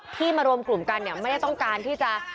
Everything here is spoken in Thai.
ที่มารวมกลุ่มกันเนี่ยไม่ได้ต้องการที่จะ